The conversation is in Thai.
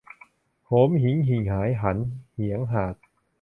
โหมหิงหิ่งหายหัน เหียงหาด